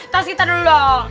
pas kita dulu dong